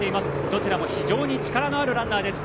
どちらも非常に力のあるランナーです。